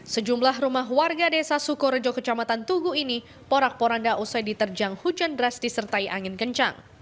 sejumlah rumah warga desa sukorejo kecamatan tugu ini porak poranda usai diterjang hujan deras disertai angin kencang